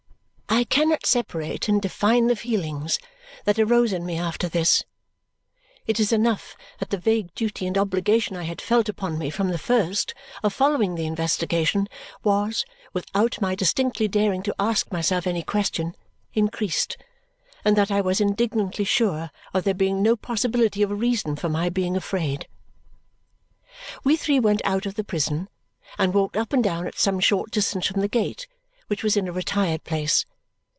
I cannot separate and define the feelings that arose in me after this; it is enough that the vague duty and obligation I had felt upon me from the first of following the investigation was, without my distinctly daring to ask myself any question, increased, and that I was indignantly sure of there being no possibility of a reason for my being afraid. We three went out of the prison and walked up and down at some short distance from the gate, which was in a retired place.